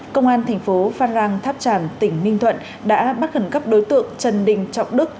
công an tp phan rang tháp tràm tỉnh ninh thuận đã bắt gần gấp đối tượng trần đình trọng đức